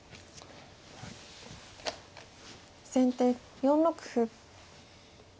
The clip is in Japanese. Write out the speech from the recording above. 先手４六歩。